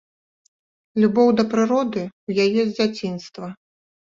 Любоў да прыроды ў яе з дзяцінства.